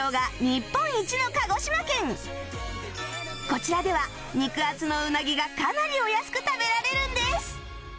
こちらでは肉厚のうなぎがかなりお安く食べられるんです